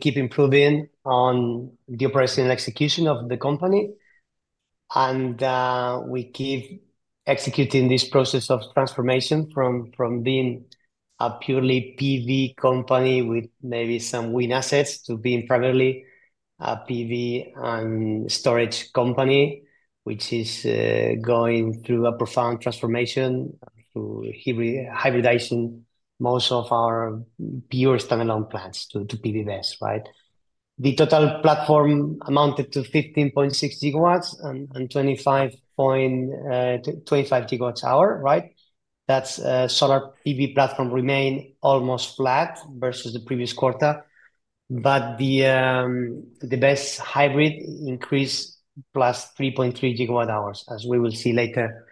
Keep improving on the operation and execution of the company. We keep executing this process of transformation from being a purely PV company with maybe some wind assets to being primarily a PV and storage company, which is going through a profound transformation through hybridization. Most of our pure standalone plants to PV-based, right? The total platform amounted to 15.6 GW and 25 GWh, right? That's a solar PV platform remained almost flat versus the previous quarter. But the base hybrid increased plus 3.3 GWh, as we will see later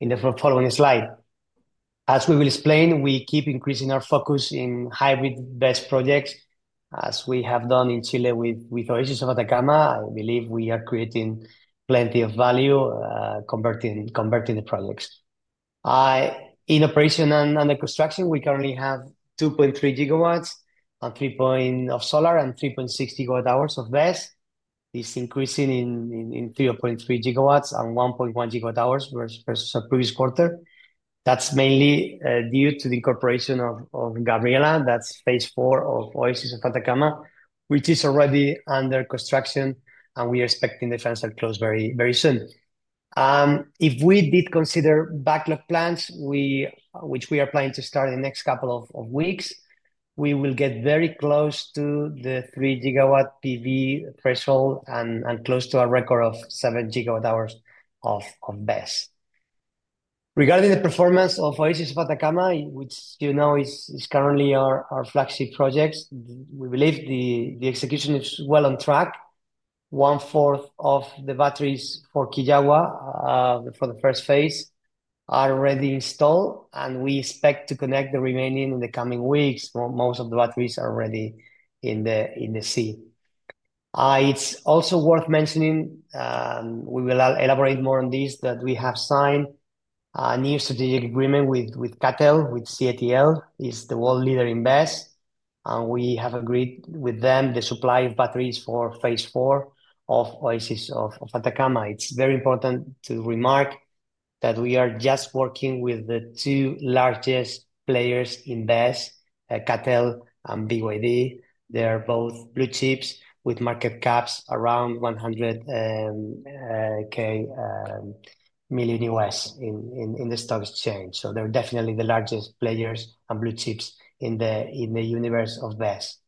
in the following slide. As we will explain, we keep increasing our focus in hybrid-based projects, as we have done in Chile with Oasis de Atacama. I believe we are creating plenty of value converting the projects. In operation and the construction, we currently have 2.3 GW of solar and 3.6 GWh of base. It's increasing in 3.3 GW and 1.1 GWh versus the previous quarter. That's mainly due to the incorporation of Gabriela. That's phase four of Oasis de Atacama, which is already under construction, and we are expecting the final close very soon. If we did consider backlog plants, which we are planning to start in the next couple of weeks, we will get very close to the 3-GW PV threshold and close to a record of 7 GWh of base. Regarding the performance of Oasis de Atacama, which is currently our flagship project, we believe the execution is well on track. One-fourth of the batteries for Quillagua for the first phase are already installed, and we expect to connect the remaining in the coming weeks. Most of the batteries are already in the sea. It's also worth mentioning. We will elaborate more on this, that we have signed a new strategic agreement with CATL, the world leader in BESS. We have agreed with them the supply of batteries for phase four of Oasis de Atacama. It's very important to remark that we are just working with the two largest players in BESS, CATL and BYD. They are both blue chips with market caps around $100 billion in the stock exchange. So they're definitely the largest players and blue chips in the universe of BESS.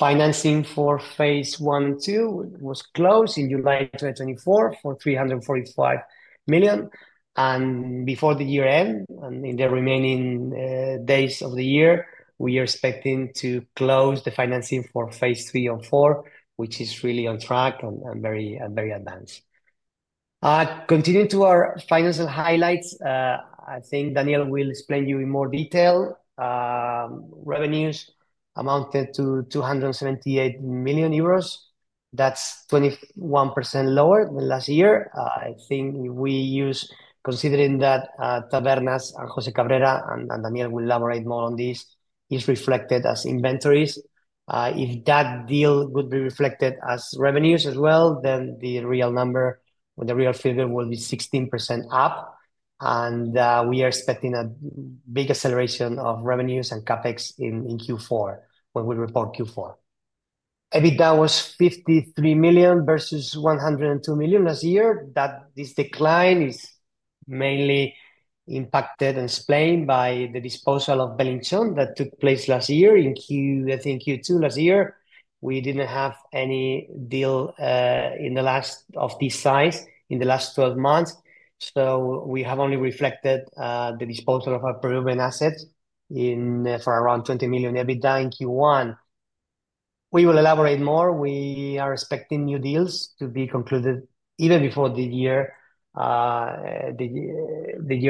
Financing for phase one and two was closed in July 2024 for $345 million. Before the year end, and in the remaining days of the year, we are expecting to close the financing for phase three and four, which is really on track and very advanced. Continuing to our financial highlights, I think Daniel will explain to you in more detail. Revenues amounted to 278 million euros. That's 21% lower than last year. I think we use, considering that Tabernas and José Cabrera, and Daniel will elaborate more on this, is reflected as inventories. If that deal would be reflected as revenues as well, then the real number, the real figure will be 16% up. And we are expecting a big acceleration of revenues and CapEx in Q4 when we report Q4. EBITDA was 53 million versus 102 million last year. This decline is mainly impacted and explained by the disposal of Belinchón that took place last year in Q2 last year. We didn't have any deal in the last of this size in the last 12 months. So we have only reflected the disposal of our proven assets for around 20 million EBITDA in Q1. We will elaborate more. We are expecting new deals to be concluded even before the year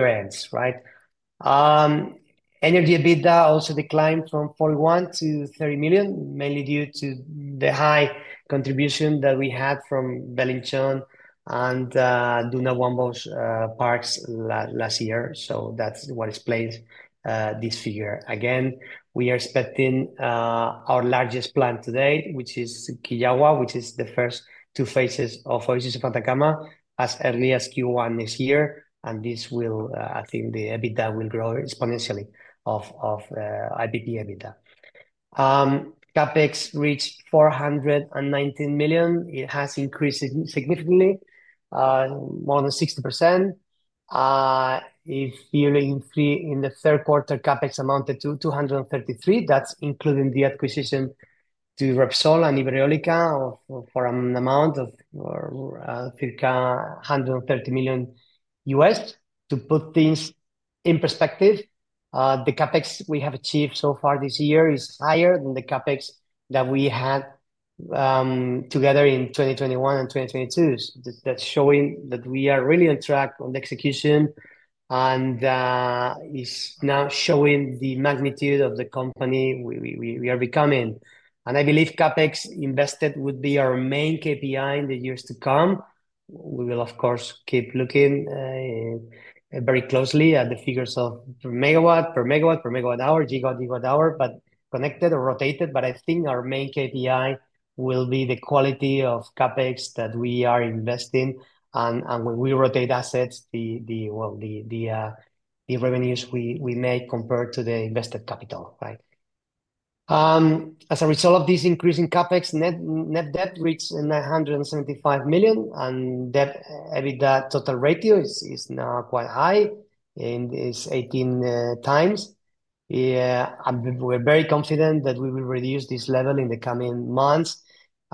ends, right? Energy EBITDA also declined from 41 million to 30 million, mainly due to the high contribution that we had from Belinchón and Duna Huambos Parks last year. So that's what explains this figure. Again, we are expecting our largest plant today, which is Quillagua, which is the first two phases of Oasis de Atacama as early as Q1 next year. And this will, I think the EBITDA will grow exponentially of EBITDA. CapEx reached 419 million. It has increased significantly, more than 60%. In the third quarter, CapEx amounted to 233 million. That's including the acquisition from Repsol and Ibereólica for an amount of $130 million. To put things in perspective, the CapEx we have achieved so far this year is higher than the CapEx that we had together in 2021 and 2022. That's showing that we are really on track on the execution and is now showing the magnitude of the company we are becoming. I believe CapEx invested would be our main KPI in the years to come. We will, of course, keep looking very closely at the figures of per MW, per MWh, GW, GWh, but connected or rotated. I think our main KPI will be the quality of CapEx that we are investing. When we rotate assets, the revenues we make compared to the invested capital, right? As a result of this increase in CapEx, net debt reached 975 million. The net debt to EBITDA ratio is now quite high. It's 18 times. We're very confident that we will reduce this level in the coming months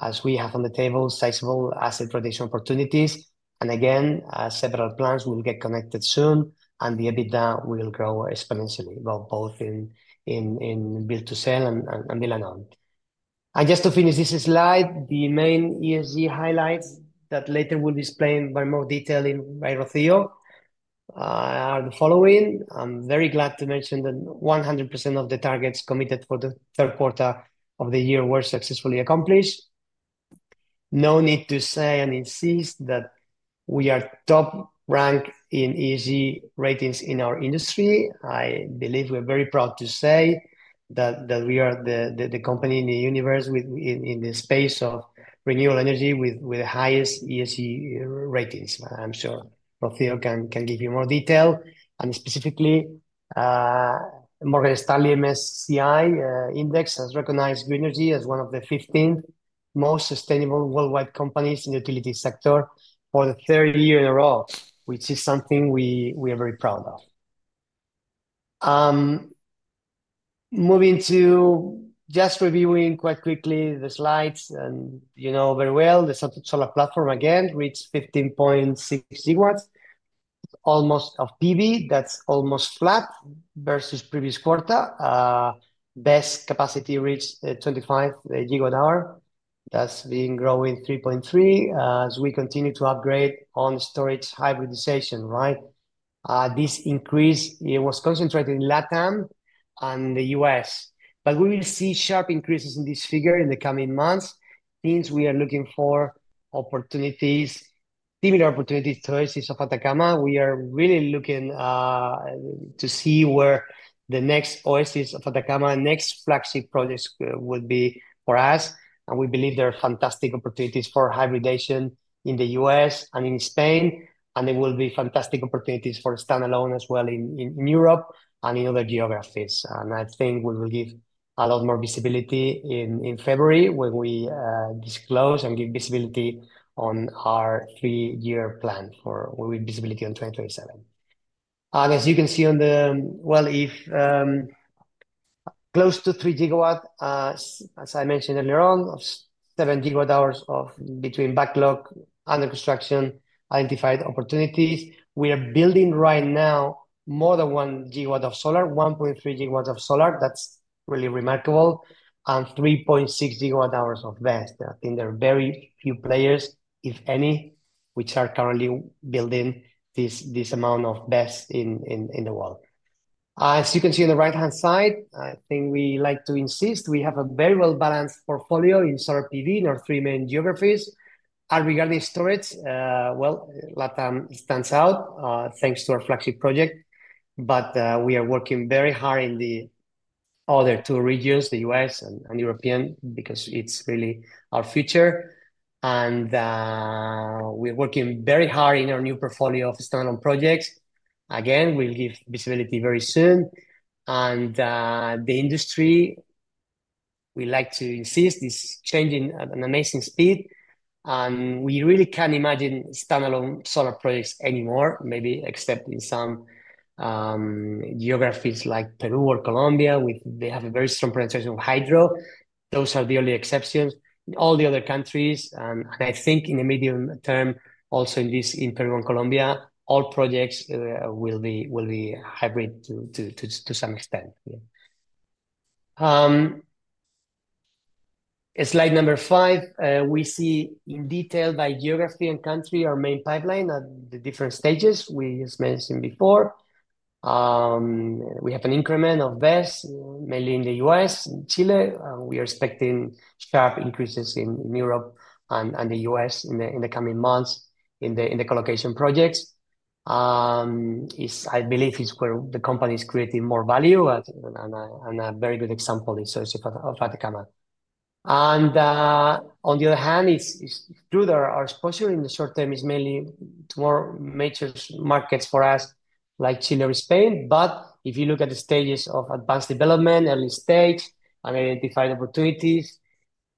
as we have on the table sizable asset rotation opportunities. And again, several plants will get connected soon, and the EBITDA will grow exponentially, both in build-to-sell and build-and-own. And just to finish this slide, the main ESG highlights that later will be explained in more detail by Rocío are the following. I'm very glad to mention that 100% of the targets committed for the third quarter of the year were successfully accomplished. No need to say and insist that we are top-ranked in ESG ratings in our industry. I believe we're very proud to say that we are the company in the universe in the space of renewable energy with the highest ESG ratings. I'm sure Rocío can give you more detail. Specifically, Morgan Stanley MSCI Index has recognized Grenergy as one of the 15 most sustainable worldwide companies in the utility sector for the third year in a row, which is something we are very proud of. Moving to just reviewing quite quickly the slides, and you know very well, the solar platform again reached 15.6 GW almost of PV. That's almost flat versus previous quarter. BESS capacity reached 25 GWh. That's been growing 3.3 as we continue to upgrade on storage hybridization, right? This increase, it was concentrated in LATAM and the US. But we will see sharp increases in this figure in the coming months since we are looking for opportunities, similar opportunities to Oasis de Atacama. We are really looking to see where the next Oasis de Atacama, next flagship projects would be for us. We believe there are fantastic opportunities for hybridization in the US and in Spain. There will be fantastic opportunities for standalone as well in Europe and in other geographies. I think we will give a lot more visibility in February when we disclose and give visibility on our three-year plan for visibility on 2027. As you can see on the, well, close to 3 GW, as I mentioned earlier on, of 7 GWh between backlog and construction identified opportunities. We are building right now more than 1 GW of solar, 1.3 GW of solar. That's really remarkable. And 3.6 GWh of base. I think there are very few players, if any, which are currently building this amount of base in the world. As you can see on the right-hand side, I think we like to insist we have a very well-balanced portfolio in solar PV in our three main geographies, and regarding storage, well, LATAM stands out thanks to our flagship project, but we are working very hard in the other two regions, the US and Europe, because it's really our future. And we're working very hard in our new portfolio of standalone projects. Again, we'll give visibility very soon. And the industry, we like to insist, is changing at an amazing speed. And we really can't imagine standalone solar projects anymore, maybe except in some geographies like Peru or Colombia, where they have a very strong presence of hydro. Those are the only exceptions. All the other countries, and I think in the medium term, also in Peru and Colombia, all projects will be hybrid to some extent. Slide number five, we see in detail by geography and country our main pipeline at the different stages we just mentioned before. We have an increment of BESS, mainly in the US, in Chile. We are expecting sharp increases in Europe and the US in the coming months in the colocation projects. I believe it's where the company is creating more value, and a very good example is Oasis de Atacama. And on the other hand, it's true that our exposure in the short term is mainly to more major markets for us, like Chile or Spain. But if you look at the stages of advanced development, early stage, and identified opportunities,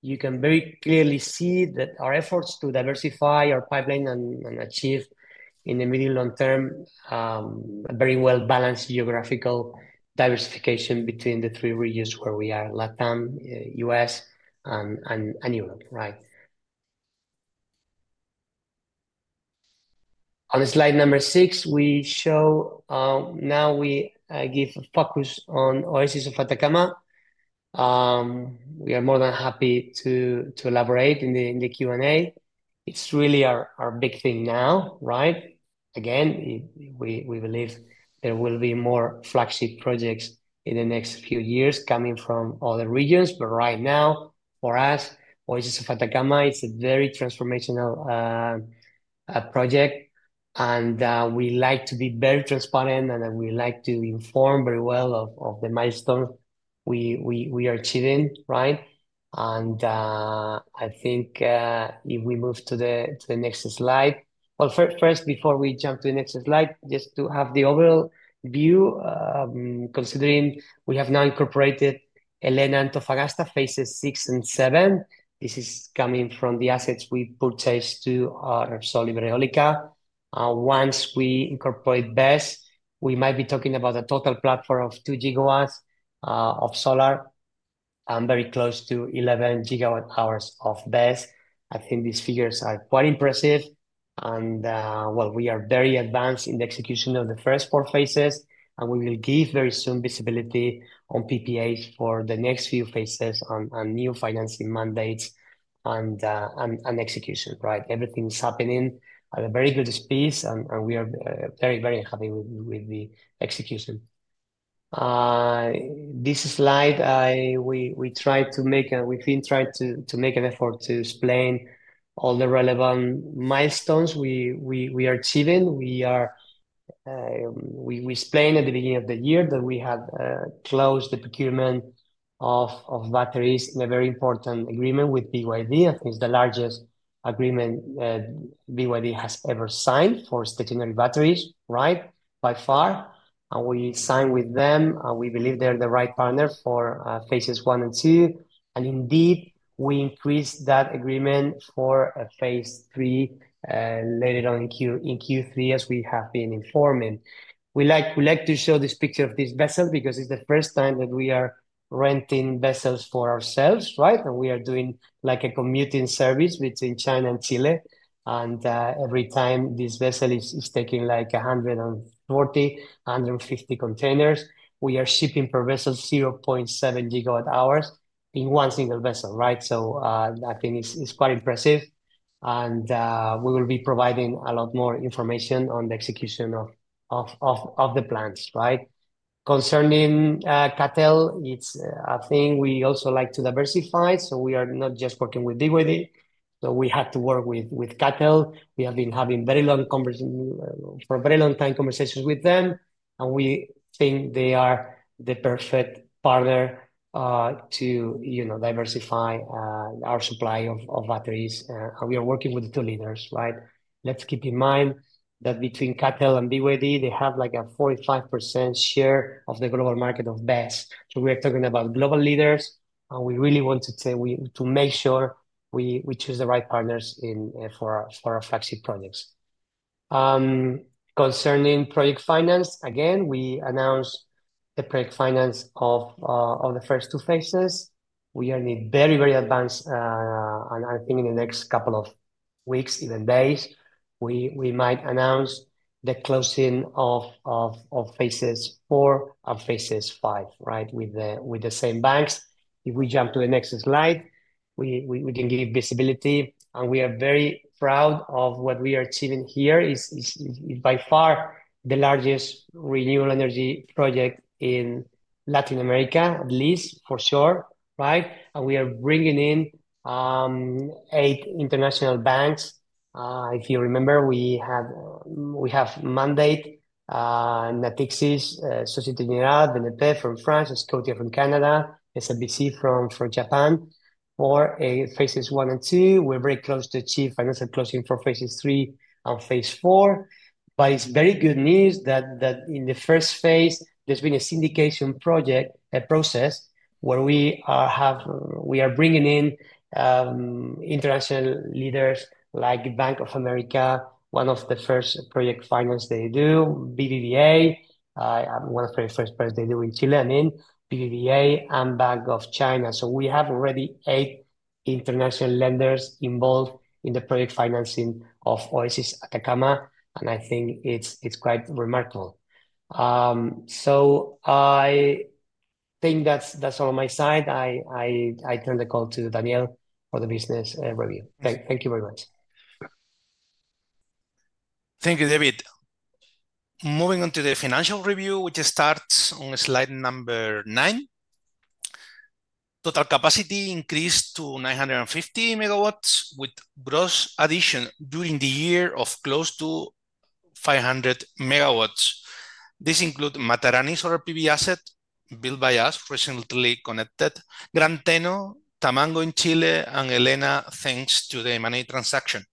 you can very clearly see that our efforts to diversify our pipeline and achieve in the medium-long term a very well-balanced geographical diversification between the three regions where we are, LATAM, US, and Europe, right? On slide number six, we show now we give a focus on Oasis de Atacama. We are more than happy to elaborate in the Q&A. It's really our big thing now, right? Again, we believe there will be more flagship projects in the next few years coming from other regions, but right now, for us, Oasis de Atacama, it's a very transformational project, and we like to be very transparent, and we like to inform very well of the milestones we are achieving, right? I think if we move to the next slide, well, first, before we jump to the next slide, just to have the overall view, considering we have now incorporated Elena Antofagasta phases six and seven. This is coming from the assets we purchased from Repsol and Ibereólica. Once we incorporate base, we might be talking about a total platform of two GW of solar and very close to 11 GWh of base. I think these figures are quite impressive, and well, we are very advanced in the execution of the first four phases, and we will give very soon visibility on PPAs for the next few phases and new financing mandates and execution, right? Everything is happening at a very good speed, and we are very, very happy with the execution. This slide, we tried to make, and we've been trying to make an effort to explain all the relevant milestones we are achieving. We explained at the beginning of the year that we have closed the procurement of batteries in a very important agreement with BYD. I think it's the largest agreement BYD has ever signed for stationary batteries, right? By far. We signed with them. We believe they're the right partner for phases one and two. Indeed, we increased that agreement for phase three later on in Q3, as we have been informing. We like to show this picture of this vessel because it's the first time that we are renting vessels for ourselves, right? We are doing like a commuting service between China and Chile. Every time this vessel is taking like 140, 150 containers, we are shipping per vessel 0.7 GWh in one single vessel, right? I think it's quite impressive. We will be providing a lot more information on the execution of the plans, right? Concerning CATL, I think we also like to diversify. We are not just working with BYD. We have to work with CATL. We have been having very long conversations for a very long time, conversations with them. And we think they are the perfect partner to diversify our supply of batteries. And we are working with the two leaders, right? Let's keep in mind that between CATL and BYD, they have like a 45% share of the global market of BESS. So we are talking about global leaders. And we really want to make sure we choose the right partners for our flagship projects. Concerning project finance, again, we announced the project finance of the first two phases. We are in a very, very advanced, and I think in the next couple of weeks, even days, we might announce the closing of phases four and phases five, right, with the same banks. If we jump to the next slide, we can give visibility. And we are very proud of what we are achieving here. It's by far the largest renewable energy project in Latin America, at least for sure, right? And we are bringing in eight international banks. If you remember, we have mandate Natixis, Société Générale, BNP from France, Scotia from Canada, SMBC from Japan. For phases one and two, we're very close to achieve financial closing for phases three and phase four. But it's very good news that in the first phase, there's been a syndication process where we are bringing in international leaders like Bank of America, one of the first project finance they do, BBVA, one of the first projects they do in Chile, I mean, BBVA and Bank of China. So we have already eight international lenders involved in the project financing of Oasis de Atacama. And I think it's quite remarkable. So I think that's all on my side. I turn the call to Daniel for the business review. Thank you very much. Thank you, David. Moving on to the financial review, which starts on slide number nine. Total capacity increased to 950 MW with gross addition during the year of close to 500 MW. This includes Matarani solar PV asset built by us, recently connected, Gran Teno, Tamango in Chile, and Elena thanks to the M&A transaction.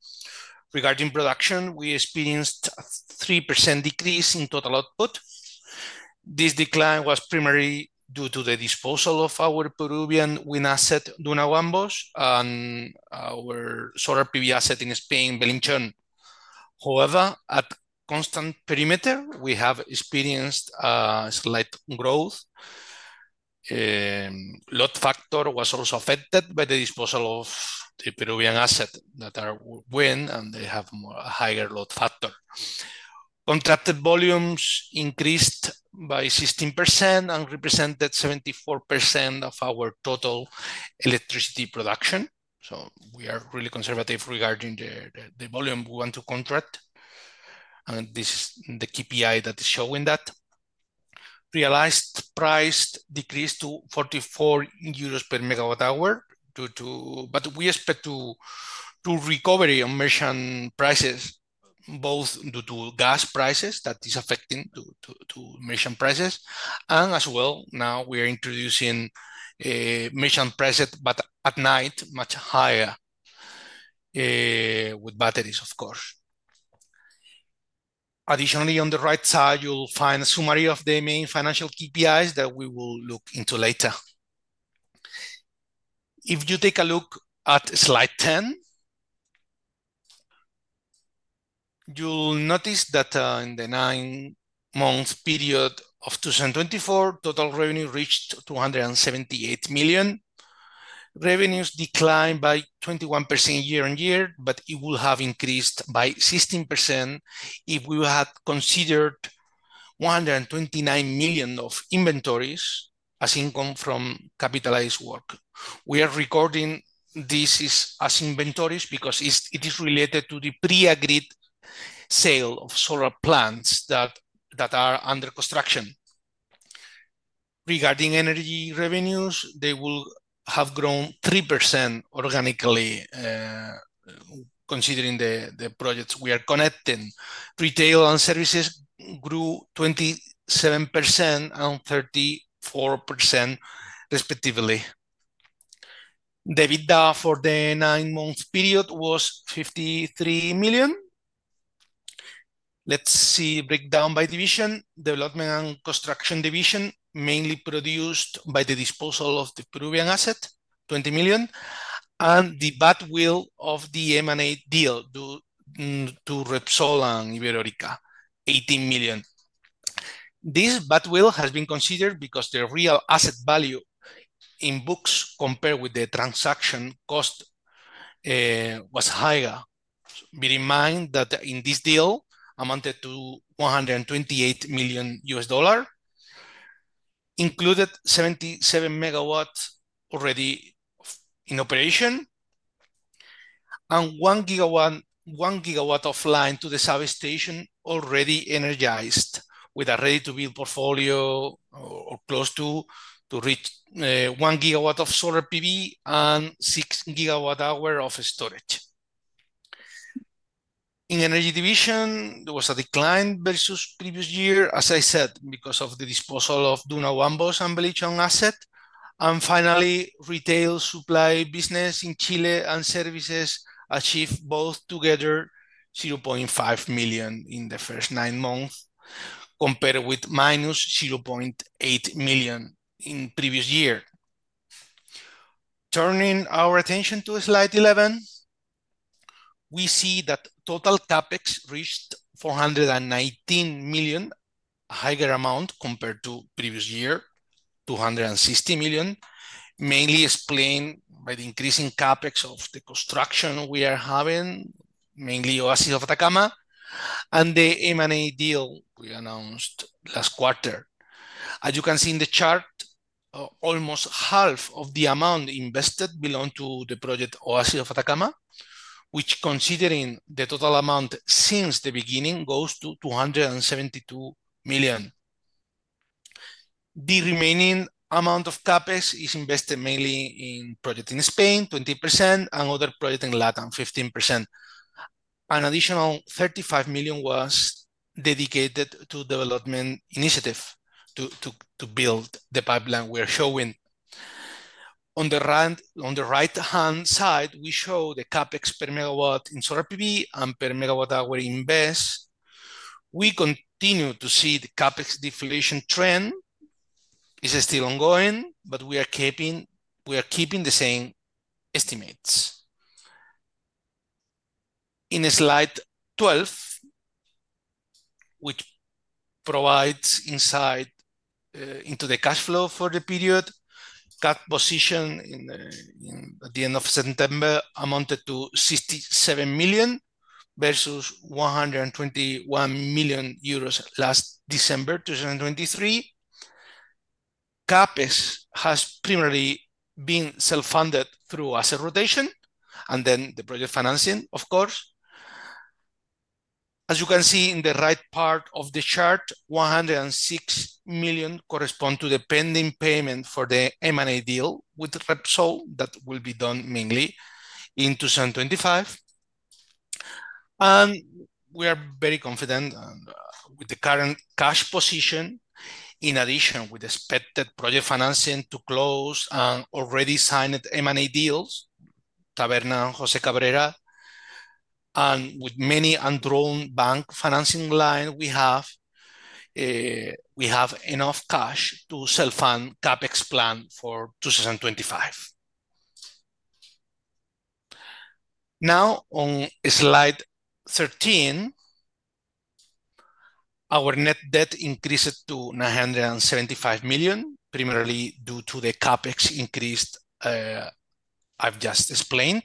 Regarding production, we experienced a 3% decrease in total output. This decline was primarily due to the disposal of our Peruvian wind asset, Duna Huambos, and our solar PV asset in Spain, Belinchón. However, at constant perimeter, we have experienced slight growth. Load factor was also affected by the disposal of the Peruvian asset that are wind, and they have a higher load factor. Contracted volumes increased by 16% and represented 74% of our total electricity production, so we are really conservative regarding the volume we want to contract. And this is the KPI that is showing that. Realized price decreased to 44 euros per MWh, but we expect to recover emission prices, both due to gas prices that is affecting emission prices, and as well, now we are introducing emission prices, but at night, much higher with batteries, of course. Additionally, on the right side, you'll find a summary of the main financial KPIs that we will look into later. If you take a look at slide 10, you'll notice that in the nine-month period of 2024, total revenue reached 278 million EUR. Revenues declined by 21% year on year, but it will have increased by 16% if we had considered 129 million EUR of inventories as income from capitalized work. We are recording this as inventories because it is related to the pre-agreed sale of solar plants that are under construction. Regarding energy revenues, they will have grown 3% organically, considering the projects we are connecting. Retail and services grew 27% and 34%, respectively. EBITDA for the nine-month period was 53 million. Let's see breakdown by division. Development and construction division mainly produced by the disposal of the Peruvian asset, 20 million. The badwill of the M&A deal to Repsol and Iberéolica, 18 million. This badwill has been considered because the real asset value in books compared with the transaction cost was higher. Bear in mind that in this deal amounted to $128 million included 77 MW already in operation, and one GW offline to the substation already energized with a ready-to-build portfolio or close to reach one GW of solar PV and 6 GWh of storage. In energy division, there was a decline versus previous year, as I said, because of the disposal of Duna Huambos and Belinchón asset. And finally, retail supply business in Chile and services achieved both together 0.5 million in the first nine months, compared with -0.8 million in previous year. Turning our attention to slide 11, we see that total CapEx reached 419 million, a higher amount compared to previous year, 260 million, mainly explained by the increasing CapEx of the construction we are having, mainly Oasis de Atacama and the M&A deal we announced last quarter. As you can see in the chart, almost half of the amount invested belonged to the project Oasis de Atacama, which, considering the total amount since the beginning, goes to 272 million. The remaining amount of CapEx is invested mainly in projects in Spain, 20%, and other projects in LATAM, 15%. An additional 35 million was dedicated to development initiatives to build the pipeline we are showing. On the right-hand side, we show the CapEx per MW in solar PV and per MWh in BESS. We continue to see the CapEx deflation trend. It's still ongoing, but we are keeping the same estimates. In slide 12, which provides insight into the cash flow for the period, cash position at the end of September amounted to 67 million versus 121 million euros last December 2023. CapEx has primarily been self-funded through asset rotation and then the project financing, of course. As you can see in the right part of the chart, 106 million correspond to the pending payment for the M&A deal with Repsol that will be done mainly in 2025, and we are very confident with the current cash position, in addition with expected project financing to close and already signed M&A deals, Tabernas and José Cabrera, and with many undrawn bank financing lines, we have enough cash to self-fund CapEx plan for 2025. Now, on slide 13, our net debt increased to 975 million, primarily due to the CapEx increase I've just explained.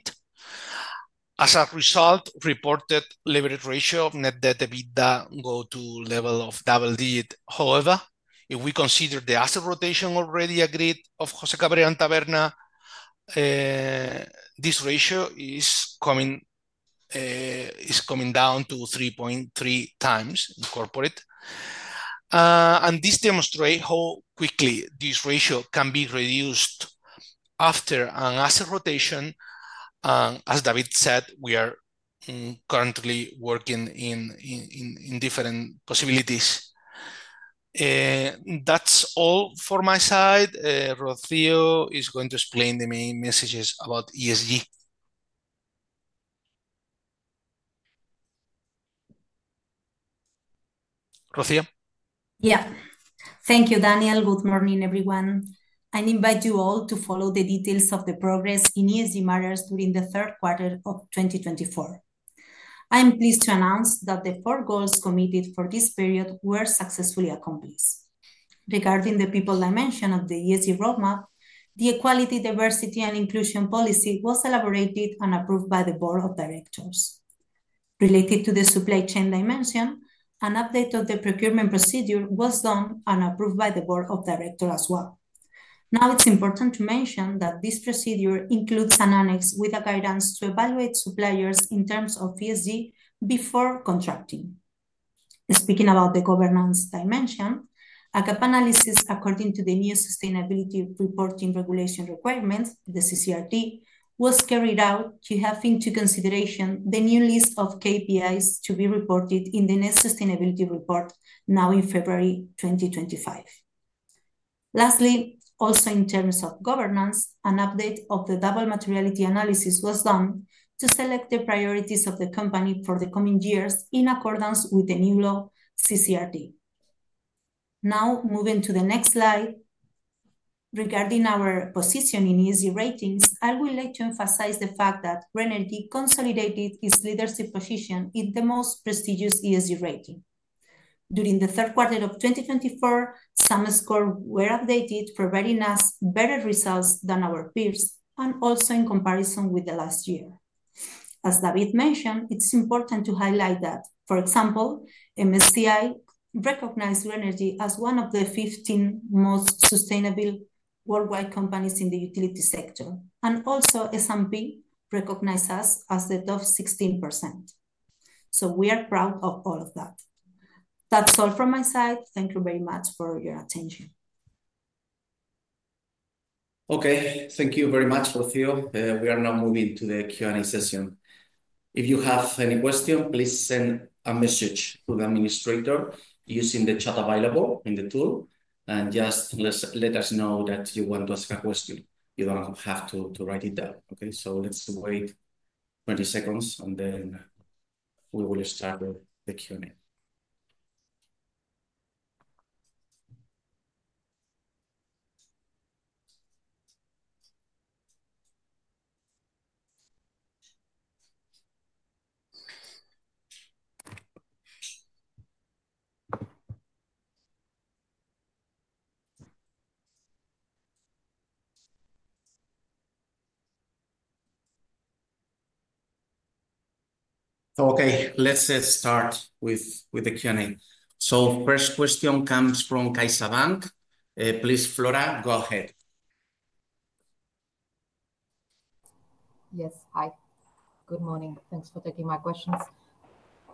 As a result, reported leverage ratio of net debt to EBITDA goes to a level of double digits. However, if we consider the asset rotation already agreed of José Cabrera and Tabernas, this ratio is coming down to 3.3 times incorporated. This demonstrates how quickly this ratio can be reduced after an asset rotation. As David said, we are currently working in different possibilities. That's all for my side. Rocío is going to explain the main messages about ESG. Rocío? Yeah. Thank you, Daniel. Good morning, everyone. I invite you all to follow the details of the progress in ESG matters during the third quarter of 2024. I am pleased to announce that the four goals committed for this period were successfully accomplished. Regarding the people dimension of the ESG roadmap, the equality, diversity, and inclusion policy was elaborated and approved by the Board of Directors. Related to the supply chain dimension, an update of the procurement procedure was done and approved by the Board of Directors as well. Now, it's important to mention that this procedure includes an annex with a guidance to evaluate suppliers in terms of ESG before contracting. Speaking about the governance dimension, a gap analysis according to the new sustainability reporting regulation requirements, the CSRD, was carried out, having to consider the new list of KPIs to be reported in the next sustainability report now in February 2025. Lastly, also in terms of governance, an update of the double materiality analysis was done to select the priorities of the company for the coming years in accordance with the new law CSRD. Now, moving to the next slide. Regarding our position in ESG ratings, I would like to emphasize the fact that Grenergy consolidated its leadership position in the most prestigious ESG rating. During the third quarter of 2024, some scores were updated, providing us better results than our peers and also in comparison with the last year. As David mentioned, it's important to highlight that, for example, MSCI recognized Grenergy as one of the 15 most sustainable worldwide companies in the utility sector, and also S&P recognized us as the top 16%. So we are proud of all of that. That's all from my side. Thank you very much for your attention. Okay. Thank you very much, Rocío. We are now moving to the Q&A session. If you have any question, please send a message to the administrator using the chat available in the tool, and just let us know that you want to ask a question. You don't have to write it down, okay? So let's wait 30 seconds, and then we will start with the Q&A. Okay. Let's start with the Q&A. So first question comes from CaixaBank. Please, Flora, go ahead. Yes. Hi. Good morning. Thanks for taking my questions.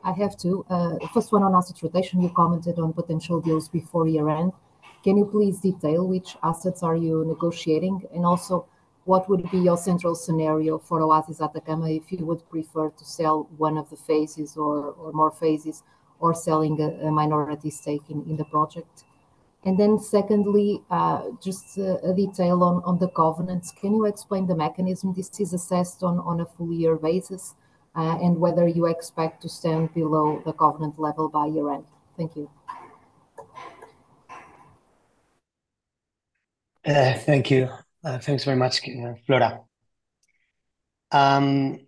I have two. First, one on asset rotation. You commented on potential deals before year-end. Can you please detail which assets are you negotiating, and also what would be your central scenario for Oasis de Atacama if you would prefer to sell one of the phases or more phases or selling a minority stake in the project? And then secondly, just a detail on the covenants. Can you explain the mechanism? This is assessed on a full-year basis, and whether you expect to stand below the covenant level by year-end. Thank you. Thank you. Thanks very much, Flora. Well,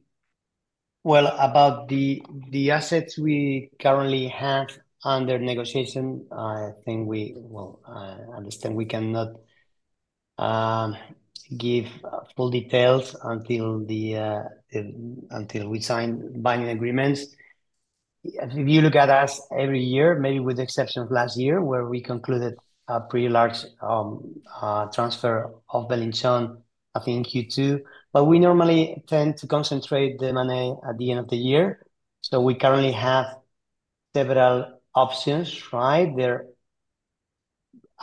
about the assets we currently have under negotiation, I think we will understand we cannot give full details until we sign buying agreements. If you look at us every year, maybe with the exception of last year, where we concluded a pretty large transfer of Belinchón, I think Q2, but we normally tend to concentrate the money at the end of the year. So we currently have several options, right? There are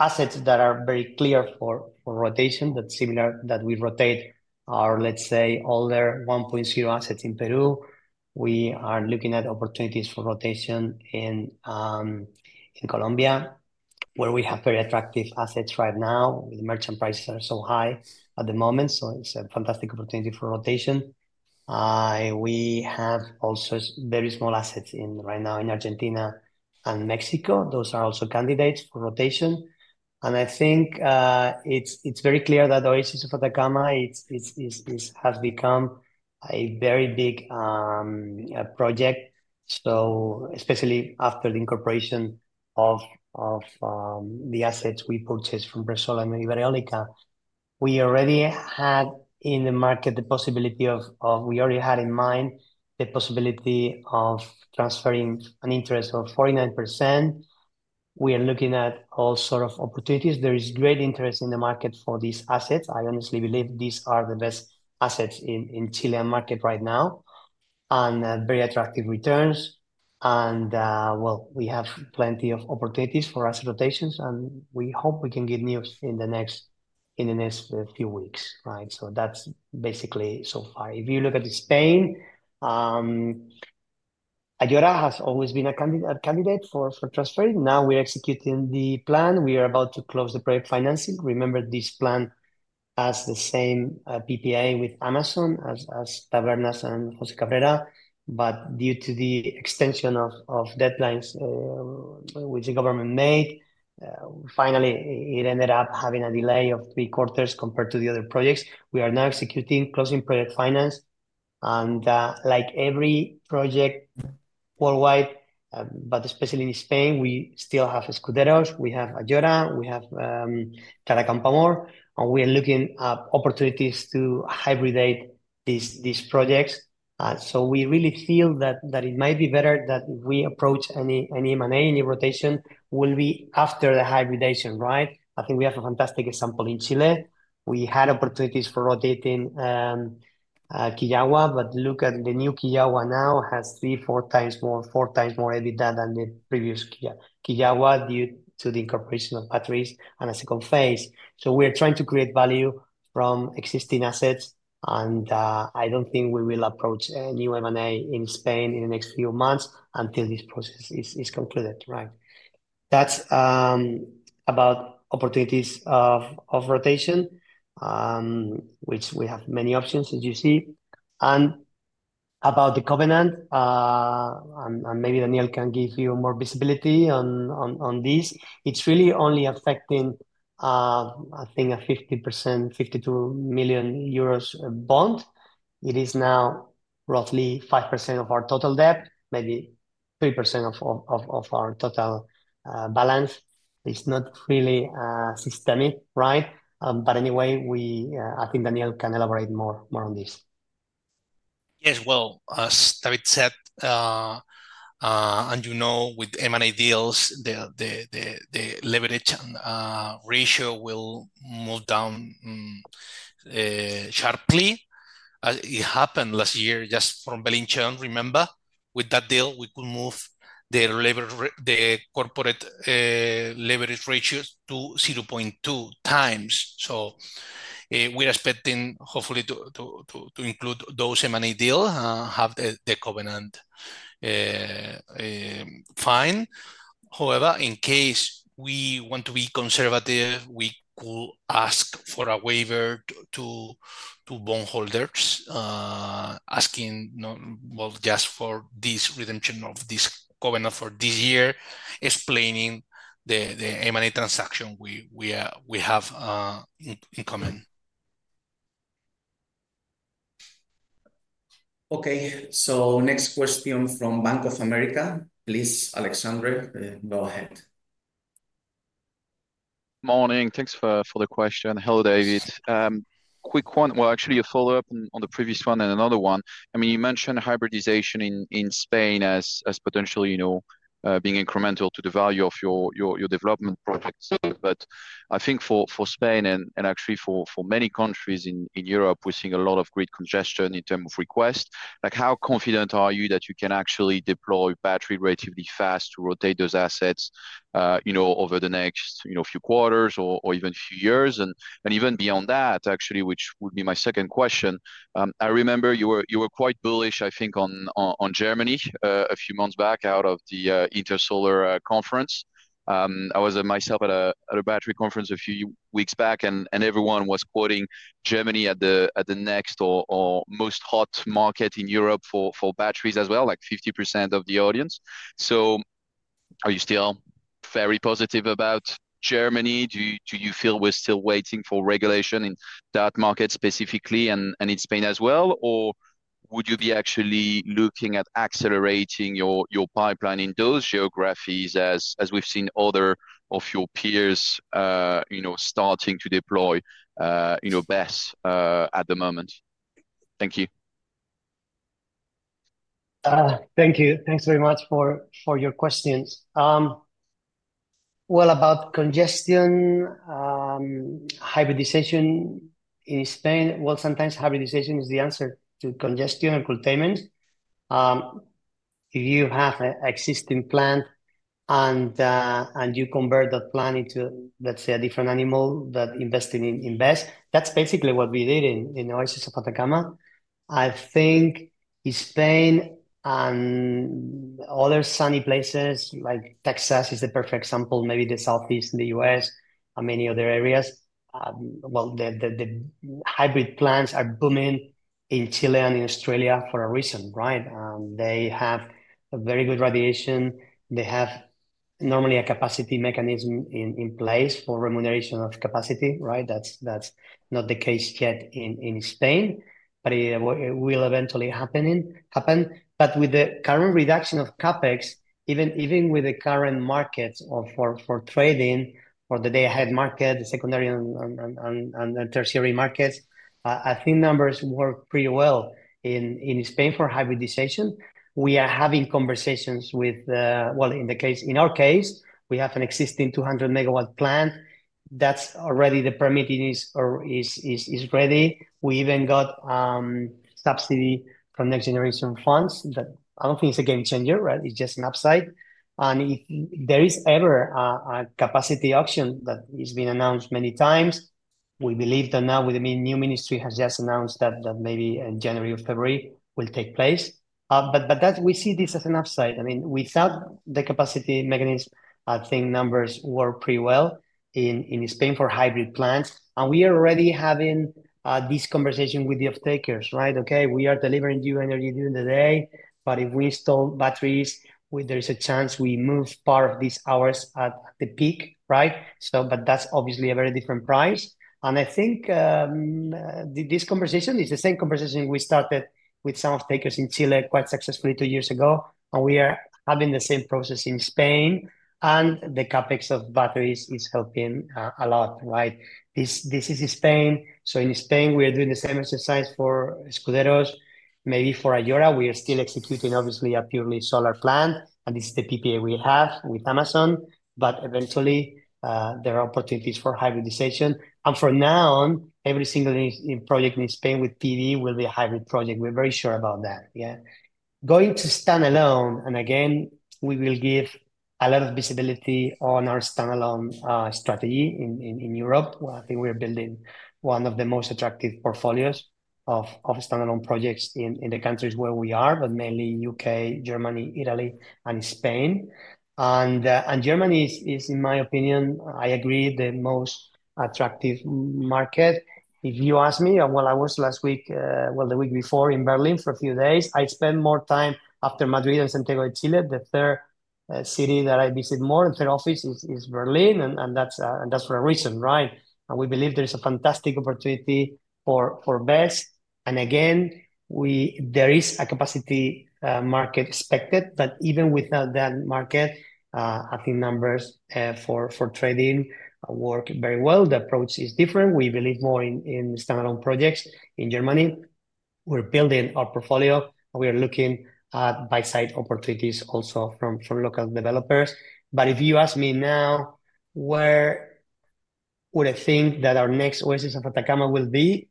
assets that are very clear for rotation that we rotate our, let's say, older 1.0 assets in Peru. We are looking at opportunities for rotation in Colombia, where we have very attractive assets right now. The merchant prices are so high at the moment, so it's a fantastic opportunity for rotation. We have also very small assets right now in Argentina and Mexico. Those are also candidates for rotation. And I think it's very clear that Oasis de Atacama has become a very big project, especially after the incorporation of the assets we purchased from Repsol and Iberéolica. We already had in mind the possibility of transferring an interest of 49%. We are looking at all sorts of opportunities. There is great interest in the market for these assets. I honestly believe these are the best assets in Chilean market right now and very attractive returns. Well, we have plenty of opportunities for asset rotations, and we hope we can get news in the next few weeks, right? So that's basically so far. If you look at Spain, Ayora has always been a candidate for transferring. Now we're executing the plan. We are about to close the bridge financing. Remember, this plan has the same PPA with Amazon as Tabernas and José Cabrera, but due to the extension of deadlines which the government made, finally, it ended up having a delay of three quarters compared to the other projects. We are now executing closing project finance and like every project worldwide, but especially in Spain, we still have Escuderos, we have Ayora, we have Clara Campoamor, and we are looking at opportunities to hybridize these projects, so we really feel that it might be better that we approach any M&A, any rotation will be after the hybridization, right? I think we have a fantastic example in Chile. We had opportunities for rotating Quillagua, but look at the new Quillagua now has three, four times more, four times more EBITDA than the previous Quillagua due to the incorporation of batteries and a second phase. So we are trying to create value from existing assets, and I don't think we will approach a new M&A in Spain in the next few months until this process is concluded, right? That's about opportunities of rotation, which we have many options, as you see. And about the covenant, and maybe Daniel can give you more visibility on this, it's really only affecting, I think, a 50%, 52 million euros bond. It is now roughly 5% of our total debt, maybe 3% of our total balance. It's not really systemic, right? But anyway, I think Daniel can elaborate more on this. Yes. Well, as David said, and you know, with M&A deals, the leverage ratio will move down sharply. It happened last year just from Belinchón, remember? With that deal, we could move the corporate leverage ratios to 0.2 times. So we're expecting, hopefully, to include those M&A deals and have the covenant fine. However, in case we want to be conservative, we could ask for a waiver to bondholders asking, well, just for this redemption of this covenant for this year, explaining the M&A transaction we have in common. Okay. So next question from Bank of America. Please, Alexandre, go ahead. Morning. Thanks for the question. Hello, David. Quick one. Well, actually, a follow-up on the previous one and another one. I mean, you mentioned hybridization in Spain as potentially being incremental to the value of your development projects. But I think for Spain and actually for many countries in Europe, we're seeing a lot of great congestion in terms of request. How confident are you that you can actually deploy battery relatively fast to rotate those assets over the next few quarters or even a few years? And even beyond that, actually, which would be my second question. I remember you were quite bullish, I think, on Germany a few months back out of the Intersolar Conference. I was myself at a battery conference a few weeks back, and everyone was quoting Germany at the next or most hot market in Europe for batteries as well, like 50% of the audience. So are you still very positive about Germany? Do you feel we're still waiting for regulation in that market specifically and in Spain as well? Or would you be actually looking at accelerating your pipeline in those geographies as we've seen other of your peers starting to deploy BESS at the moment? Thank you. Thank you. Thanks very much for your questions. Well, about congestion, hybridization in Spain, well, sometimes hybridization is the answer to congestion and containment. If you have an existing plant and you convert that plant into, let's say, a different animal that invests in BESS, that's basically what we did in Oasis de Atacama. I think Spain and other sunny places like Texas is the perfect example, maybe the southeast in the U.S. and many other areas. Well, the hybrid plants are booming in Chile and in Australia for a reason, right? They have very good radiation. They have normally a capacity mechanism in place for remuneration of capacity, right? That's not the case yet in Spain, but it will eventually happen. But with the current reduction of CapEx, even with the current markets for trading, for the day-ahead market, the secondary and tertiary markets, I think numbers work pretty well in Spain for hybridization. We are having conversations with, well, in our case, we have an existing 200-MW plant. That's already. The permitting is ready. We even got subsidy from next-generation funds. I don't think it's a game changer, right? It's just an upside. And if there is ever a capacity auction that has been announced many times, we believe that now with the new ministry has just announced that maybe in January or February will take place. But we see this as an upside. I mean, without the capacity mechanism, I think numbers work pretty well in Spain for hybrid plants. And we are already having this conversation with the off-takers, right? Okay, we are delivering you energy during the day, but if we install batteries, there is a chance we move part of these hours at the peak, right? But that's obviously a very different price. And I think this conversation is the same conversation we started with some off-takers in Chile quite successfully two years ago. We are having the same process in Spain. The CapEx of batteries is helping a lot, right? This is Spain. In Spain, we are doing the same exercise for Escuderos. Maybe for Ayora, we are still executing, obviously, a purely solar plant. This is the PPA we have with Amazon. But eventually, there are opportunities for hybridization. From now on, every single project in Spain with PV will be a hybrid project. We're very sure about that, yeah. Going to standalone, and again, we will give a lot of visibility on our standalone strategy in Europe. I think we are building one of the most attractive portfolios of standalone projects in the countries where we are, but mainly UK, Germany, Italy, and Spain. Germany is, in my opinion, I agree, the most attractive market. If you ask me, well, I was last week, well, the week before in Berlin for a few days. I spent more time after Madrid and Santiago de Chile, the third city that I visit more. The third office is Berlin, and that's for a reason, right? We believe there's a fantastic opportunity for BESS. Again, there is a capacity market expected, but even without that market, I think numbers for trading work very well. The approach is different. We believe more in standalone projects in Germany. We're building our portfolio. We are looking at buy-side opportunities also from local developers. If you ask me now where I think that our next Oasis de Atacama will be,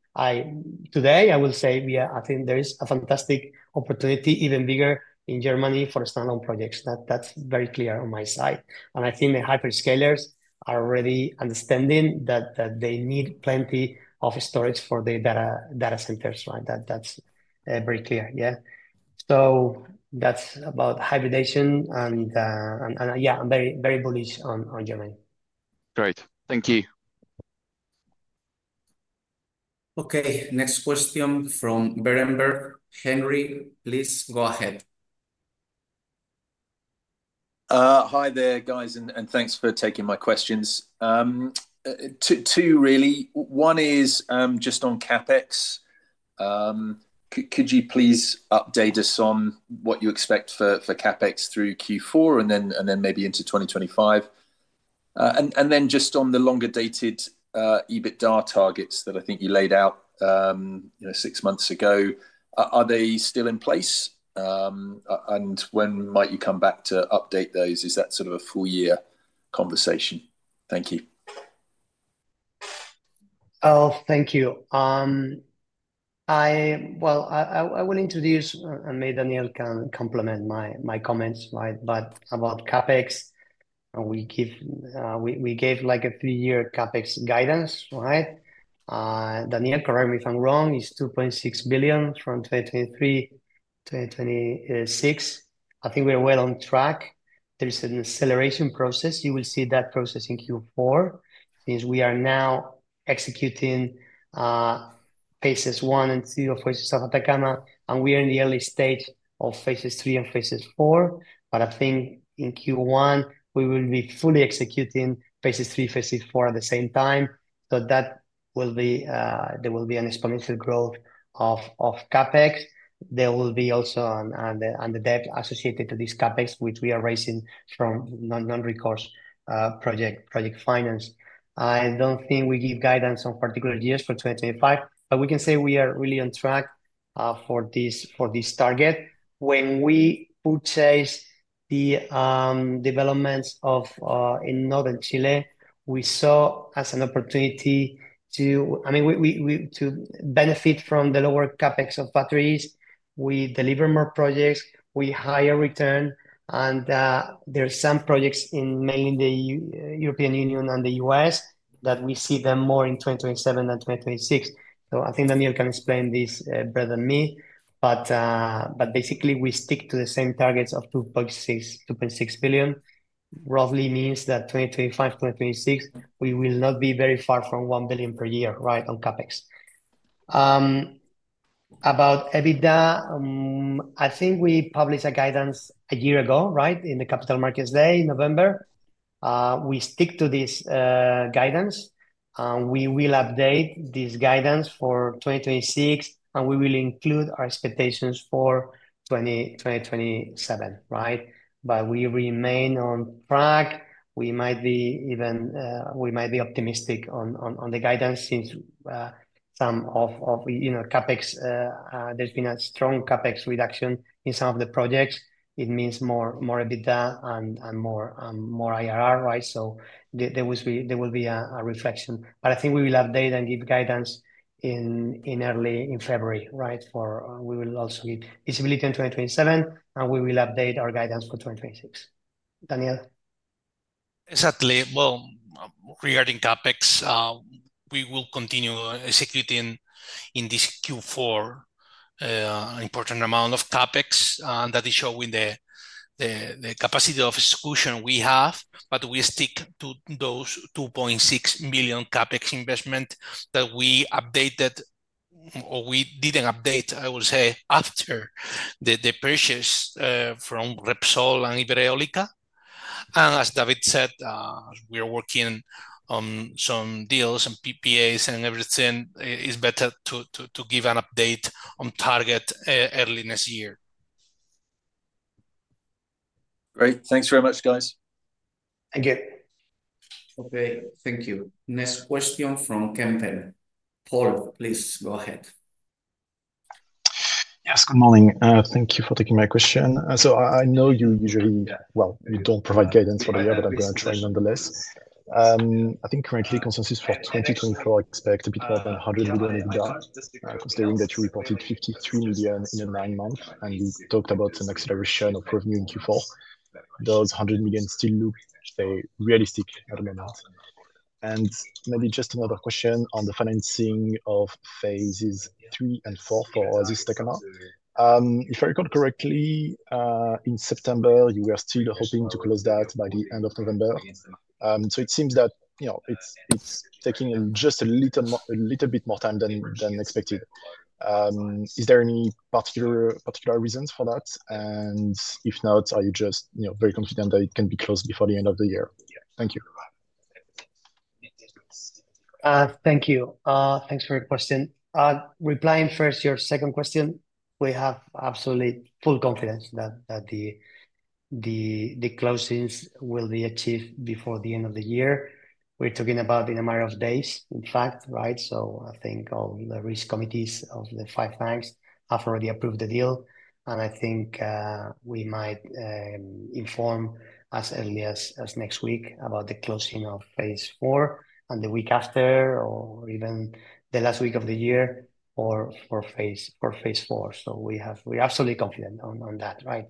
today, I will say, yeah, I think there is a fantastic opportunity, even bigger in Germany for standalone projects. That's very clear on my side. I think the hyperscalers are already understanding that they need plenty of storage for the data centers, right? That's very clear, yeah. So that's about hybridization. And yeah, I'm very bullish on Germany. Great. Thank you. Okay. Next question from Berenberg. Henry, please go ahead. Hi there, guys, and thanks for taking my questions. Two, really. One is just on CapEx. Could you please update us on what you expect for CapEx through Q4 and then maybe into 2025? And then just on the longer-dated EBITDA targets that I think you laid out six months ago, are they still in place? And when might you come back to update those? Is that sort of a full-year conversation? Thank you. Oh, thank you. Well, I will introduce, and maybe Daniel can complement my comments, right? But about CapEx, we gave a three-year CapEx guidance, right? Daniel, correct me if I'm wrong, is 2.6 billion from 2023 to 2026. I think we're well on track. There's an acceleration process. You will see that process in Q4 since we are now executing phases one and two of Oasis de Atacama. And we are in the early stage of phases three and phases four. But I think in Q1, we will be fully executing phases three, phases four at the same time. So there will be an exponential growth of CapEx. There will be also on the debt associated to this CapEx, which we are raising from non-recourse project finance. I don't think we give guidance on particular years for 2025, but we can say we are really on track for this target. When we purchased the developments in northern Chile, we saw as an opportunity to, I mean, to benefit from the lower CapEx of batteries. We deliver more projects. We have higher returns. And there are some projects mainly in the European Union and the U.S. that we see them more in 2027 than 2026, so I think Daniel can explain this better than me, but basically, we stick to the same targets of 2.6 billion. It roughly means that 2025, 2026, we will not be very far from 1 billion per year, right, on CapEx. About EBITDA, I think we published a guidance a year ago, right, in the Capital Markets Day in November. We stick to this guidance. We will update this guidance for 2026, and we will include our expectations for 2027, right, but we remain on track. We might be even optimistic on the guidance since some of CapEx, there's been a strong CapEx reduction in some of the projects. It means more EBITDA and more IRR, right? So there will be a reflection. But I think we will update and give guidance in early February, right? We will also give visibility in 2027, and we will update our guidance for 2026. Daniel? Exactly. Well, regarding CapEx, we will continue executing in this Q4 an important amount of CapEx that is showing the capacity of execution we have. But we stick to those 2.6 million CapEx investment that we updated or we didn't update, I will say, after the purchase from Repsol and Iberéolica. And as David said, we are working on some deals and PPAs and everything. It's better to give an update on target early next year. Great. Thanks very much, guys. Thank you. Okay. Thank you. Next question from Kempen. Paul, please go ahead. Yes. Good morning. Thank you for taking my question. I know you usually, well, you don't provide guidance for the year, but I'm going to try nonetheless. I think currently, consensus for 2024 expects a bit more than 100 million EBITDA, considering that you reported 53 million in a nine-month, and we talked about an acceleration of revenue in Q4. Those 100 million still look realistic at the moment. And maybe just another question on the financing of phases three and four for Oasis de Atacama. If I recall correctly, in September, you were still hoping to close that by the end of November. So it seems that it's taking just a little bit more time than expected. Is there any particular reasons for that? And if not, are you just very confident that it can be closed before the end of the year? Thank you. Thank you. Thanks for your question. Replying first to your second question, we have absolutely full confidence that the closings will be achieved before the end of the year. We're talking about in a matter of days, in fact, right? So I think all the risk committees of the five banks have already approved the deal. And I think we might inform as early as next week about the closing of phase four and the week after or even the last week of the year for phase four. So we're absolutely confident on that, right?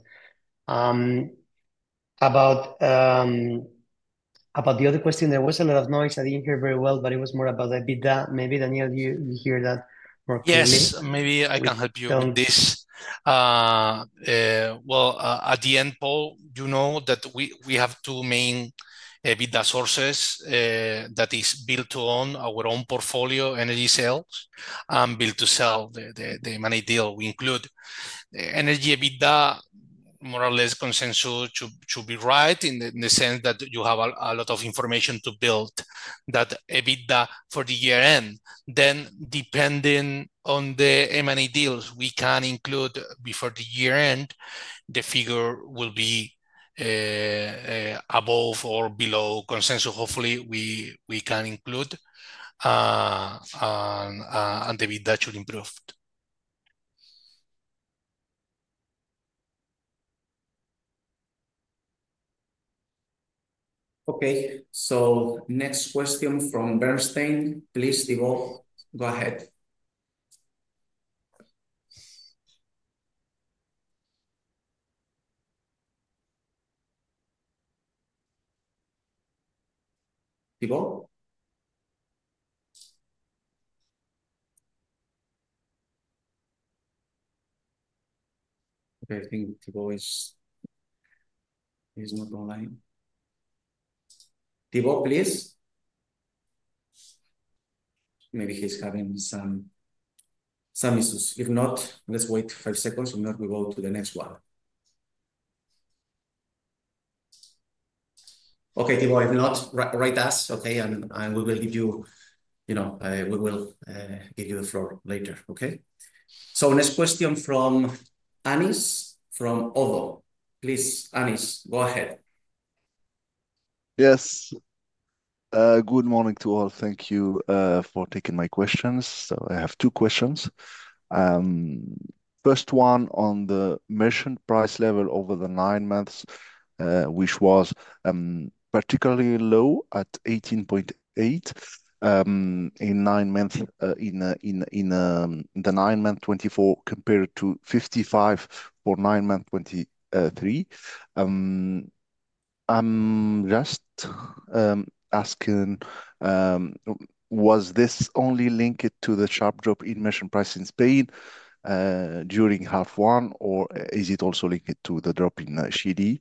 About the other question, there was a lot of noise. I didn't hear very well, but it was more about EBITDA. Maybe Daniel, you hear that more clearly. Yes. Maybe I can help you on this. At the end, Paul, you know that we have two main EBITDA sources that is built on our own portfolio, energy sales, and build-to-sell, the M&A deal. We include energy EBITDA, more or less consensual to be right, in the sense that you have a lot of information to build that EBITDA for the year-end. Then, depending on the M&A deals we can include before the year-end, the figure will be above or below consensus. Hopefully, we can include and the EBITDA should improve. Okay. Next question from Bernstein. Please, Thibault, go ahead. Thibault? Okay. I think Thibault is not online. Thibault, please. Maybe he's having some issues. If not, let's wait five seconds, and then we go to the next one. Okay, Thibault, if not, write us, okay? We will give you the floor later, okay? So next question from Anis from Oddo. Please, Anis, go ahead. Yes. Good morning to all. Thank you for taking my questions. So I have two questions. First one on the merchant price level over the nine months, which was particularly low at 18.8 in nine months in the nine-month 2024 compared to 55 for nine-month 2023. I'm just asking, was this only linked to the sharp drop in merchant price in Spain during half one, or is it also linked to the drop in GD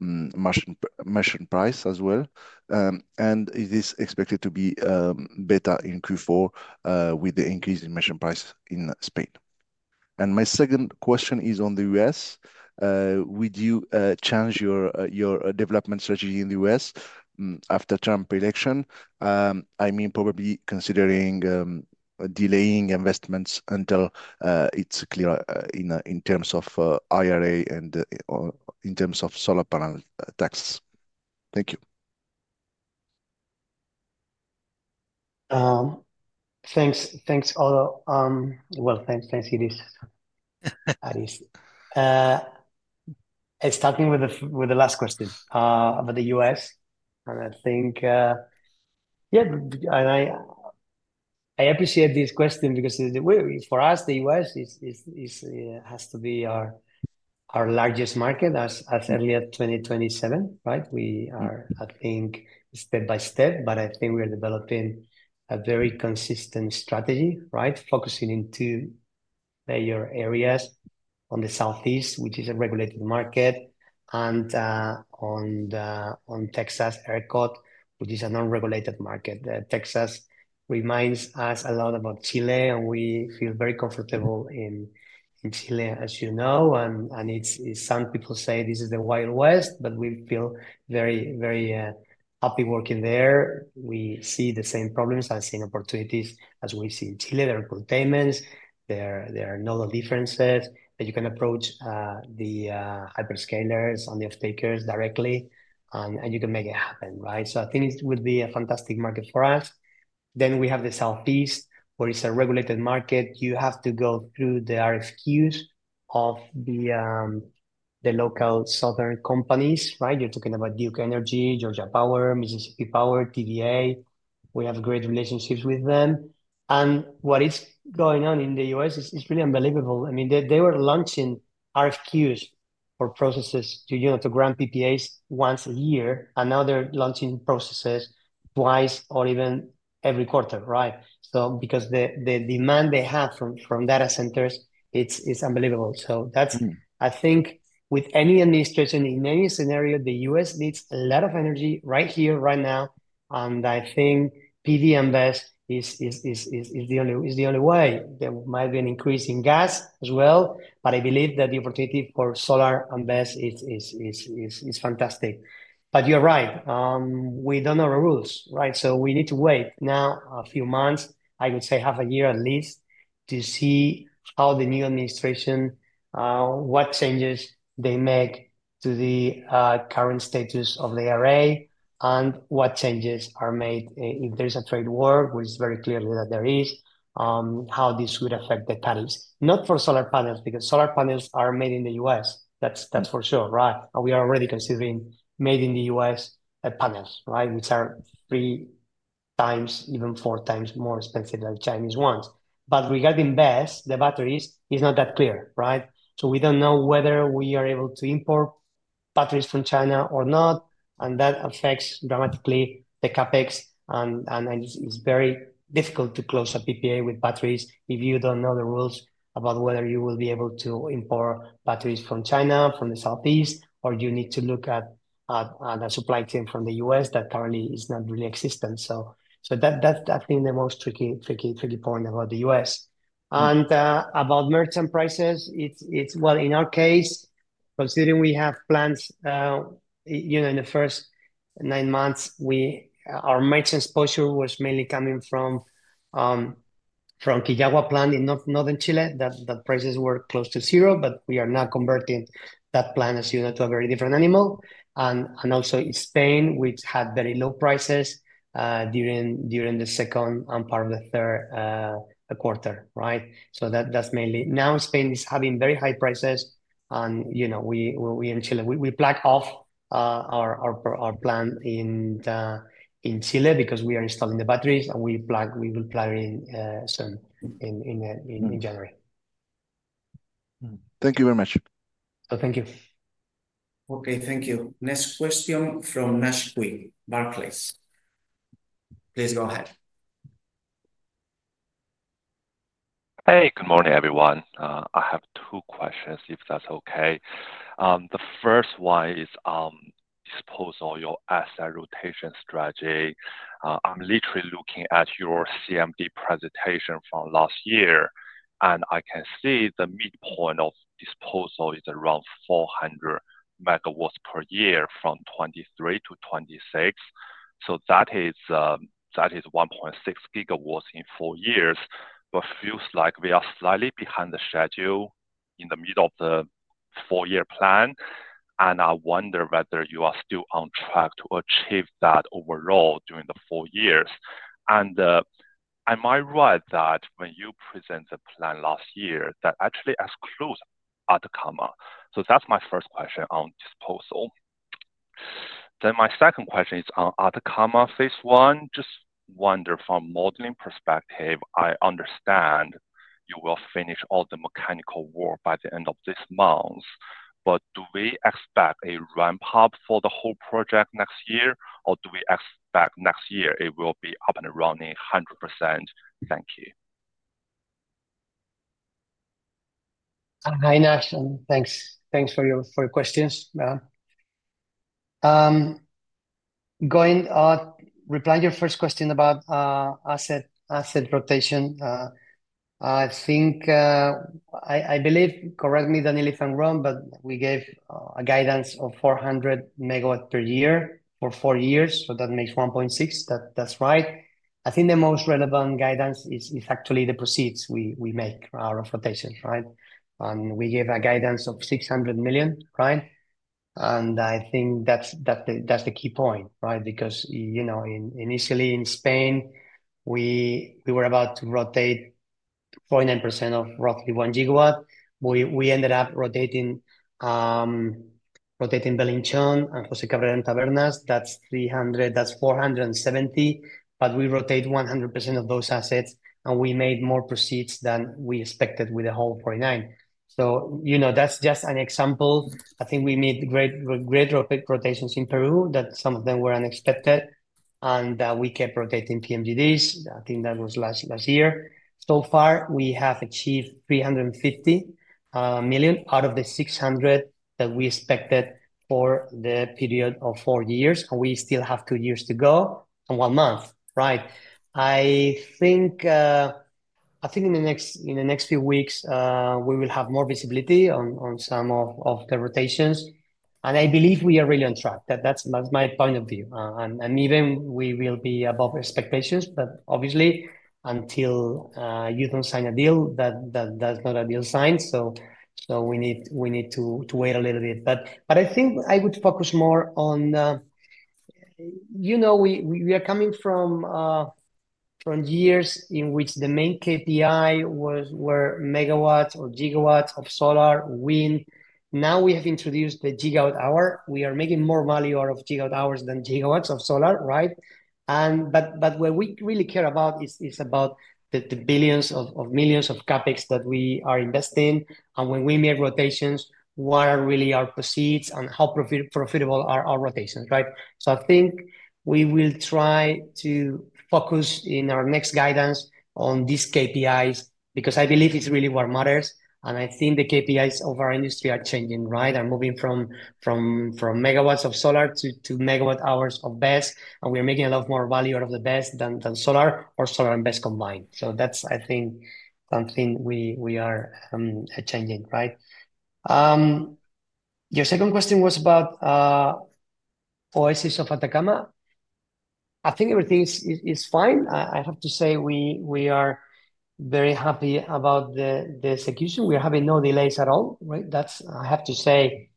merchant price as well? And is this expected to be better in Q4 with the increase in merchant price in Spain? And my second question is on the U.S. Would you change your development strategy in the U.S. after Trump election? I mean, probably considering delaying investments until it's clear in terms of IRA and in terms of solar panel tax. Thank you. Thanks, Oddo. Well, thanks, Anis. Starting with the last question about the U.S., and I think, yeah, and I appreciate this question because for us, the U.S. has to be our largest market as early as 2027, right? We are, I think, step by step, but I think we are developing a very consistent strategy, right? Focusing into major areas on the southeast, which is a regulated market, and on Texas ERCOT, which is a non-regulated market. Texas reminds us a lot about Chile, and we feel very comfortable in Chile, as you know. And some people say this is the Wild West, but we feel very happy working there. We see the same problems as seeing opportunities as we see in Chile. There are containments. There are novel differences that you can approach the hyperscalers and the off-takers directly, and you can make it happen, right? So I think it would be a fantastic market for us. Then we have the Southeast, where it's a regulated market. You have to go through the RFQs of the local southern companies, right? You're talking about Duke Energy, Georgia Power, Mississippi Power, TVA. We have great relationships with them. And what is going on in the U.S. is really unbelievable. I mean, they were launching RFQs for processes to grant PPAs once a year, and now they're launching processes twice or even every quarter, right? So because the demand they have from data centers, it's unbelievable. So I think with any administration, in any scenario, the U.S. needs a lot of energy right here, right now. And I think PV invest is the only way. There might be an increase in gas as well, but I believe that the opportunity for solar invest is fantastic. But you're right. We don't know the rules, right? So we need to wait now a few months. I would say half a year at least, to see how the new administration, what changes they make to the current status of the IRA and what changes are made if there's a trade war, which is very clear that there is, how this would affect the panels. Not for solar panels because solar panels are made in the U.S. That's for sure, right? We are already considering made in the U.S. panels, right? Which are three times, even four times more expensive than Chinese ones. But regarding BESS, the batteries is not that clear, right? So we don't know whether we are able to import batteries from China or not, and that affects dramatically the CapEx. It's very difficult to close a PPA with batteries if you don't know the rules about whether you will be able to import batteries from China, from the southeast, or you need to look at a supply chain from the US that currently is not really existent. That's, I think, the most tricky point about the US. About merchant prices, well, in our case, considering we have plants in the first nine months, our merchant exposure was mainly coming from Quillagua plant in northern Chile, that prices were close to zero, but we are now converting that plant to a very different animal. Also, Spain, which had very low prices during the second and part of the third quarter, right? So that's mainly now Spain is having very high prices, and we in Chile, we plug off our plant in Chile because we are installing the batteries, and we will plug in soon in January. Thank you very much. So thank you. Okay. Thank you. Next question from Nanki Gandhi, Barclays. Please go ahead. Hey, good morning, everyone. I have two questions, if that's okay. The first one is disposal or your asset rotation strategy. I'm literally looking at your CMB presentation from last year, and I can see the midpoint of disposal is around 400 MW per year from 2023 to 2026. So that is 1.6 GW in four years, but feels like we are slightly behind the schedule in the middle of the four-year plan. And I wonder whether you are still on track to achieve that overall during the four years. Am I right that when you present the plan last year, that actually excludes Atacama? So that's my first question on disposal. Then my second question is on Atacama phase one. Just wonder from a modeling perspective, I understand you will finish all the mechanical work by the end of this month, but do we expect a ramp-up for the whole project next year, or do we expect next year it will be up and running 100%? Thank you. Hi, Nash. And thanks for your questions. Going on, replying to your first question about asset rotation, I believe correct me if I'm wrong, but we gave a guidance of 400 MW per year for four years. So that makes 1.6. That's right. I think the most relevant guidance is actually the proceeds we make out of rotation, right? And we gave a guidance of 600 million, right? I think that's the key point, right? Because initially in Spain, we were about to rotate 49% of roughly one GW. We ended up rotating Belinchón and José Cabrera, and Tabernas. That's 470, but we rotate 100% of those assets, and we made more proceeds than we expected with the whole 49. So that's just an example. I think we made great rotations in Peru, that some of them were unexpected, and we kept rotating PMGDs. I think that was last year. So far, we have achieved 350 million out of the 600 million that we expected for the period of four years, and we still have two years to go and one month, right? I think in the next few weeks, we will have more visibility on some of the rotations. I believe we are really on track. That's my point of view. And even we will be above expectations, but obviously, until you don't sign a deal, that's not a deal signed. So we need to wait a little bit. But I think I would focus more on we are coming from years in which the main KPI were MW or GW of solar wind. Now we have introduced the GWh We are making more value out of GWh than GW of solar, right? But what we really care about is about the billions of millions of CapEx that we are investing. And when we make rotations, what are really our proceeds and how profitable are our rotations, right? So I think we will try to focus in our next guidance on these KPIs because I believe it's really what matters. And I think the KPIs of our industry are changing, right? are moving from MW of solar to MWh of BESS, and we are making a lot more value out of the BESS than solar or solar and BESS combined. So that's, I think, something we are changing, right? Your second question was about Oasis de Atacama. I think everything is fine. I have to say we are very happy about the execution. We are having no delays at all, right? I have to say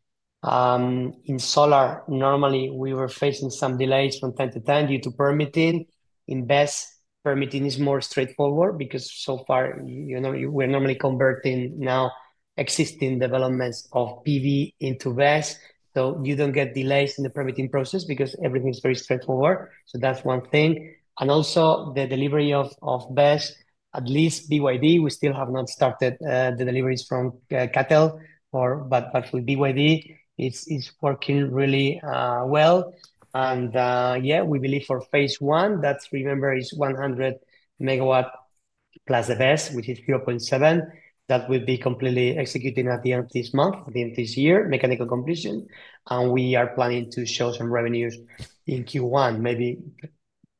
in solar, normally, we were facing some delays from time to time due to permitting. In BESS, permitting is more straightforward because so far, we're normally converting now existing developments of PV into BESS. So you don't get delays in the permitting process because everything is very straightforward. So that's one thing. Also, the delivery of BESS, at least BYD, we still have not started the deliveries from CATL, but with BYD, it's working really well. Yeah, we believe for phase one, that's, remember, is 100 MW plus the BESS, which is 0.7. That will be completely executed at the end of this month, at the end of this year, mechanical completion. We are planning to show some revenues in Q1, maybe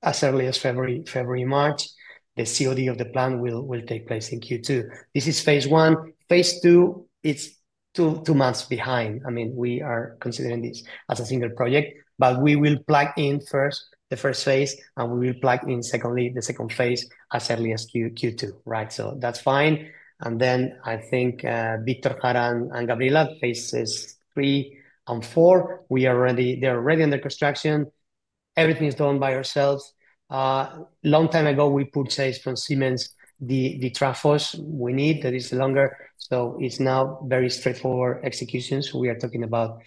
as early as February, March. The COD of the plant will take place in Q2. This is phase one. Phase two, it's two months behind. I mean, we are considering this as a single project, but we will plug in first, the first phase, and we will plug in secondly, the second phase as early as Q2, right? So that's fine. Then I think Victor Jara and Gabriela phases three and four, they're already under construction. Everything is done by ourselves. A long time ago, we purchased from Siemens the trafos we need that is longer. So it's now very straightforward execution. So we are talking about